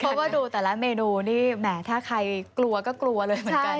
เพราะว่าดูแต่ละเมนูนี่แหมถ้าใครกลัวก็กลัวเลยเหมือนกัน